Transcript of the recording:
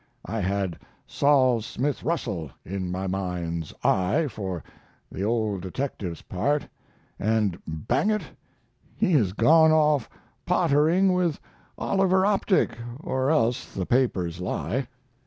I had Sol Smith Russell in my mind's eye for the old detective's part, and bang it! he has gone off pottering with Oliver Optic, or else the papers lie.